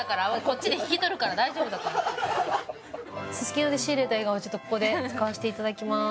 ススキノで仕入れた笑顔をちょっとここで使わせていただきます。